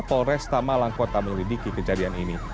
polres tama langkota menyelidiki kejadian ini